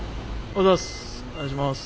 お願いします。